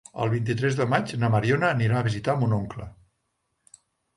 El vint-i-tres de maig na Mariona anirà a visitar mon oncle.